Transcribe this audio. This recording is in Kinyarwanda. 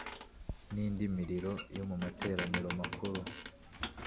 nindi miriro yo mu materaniro makuru